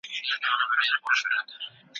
زه، اوسمهال پر کابل يم.